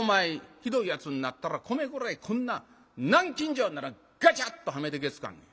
ひどいやつになったら米蔵へこんな南京錠ならガチャッとはめてけつかんねん。